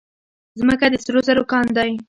ځمکه د سرو زرو کان دی.